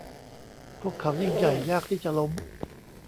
พวกเขายิ่งใหญ่ยากที่จะล้ม